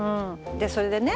でそれでね